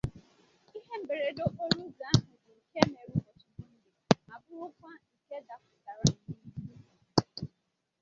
Ihe mberede okporoụzọ ahụ bụ nke mere ụbọchị Mọnde ma bụrụkwa nke dapụtara n'Uli